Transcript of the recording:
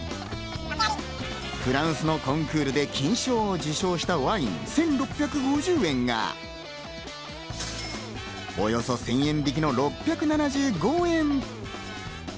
フランスのコンクールで金賞を受賞したワイン１６５０円がおよそ１０００円引きの６７５円。